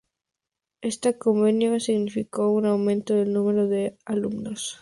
Este convenio significó un aumento del número de alumnos.